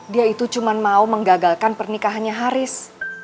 dia itu cuma mau menggagalkan pernikahannya haris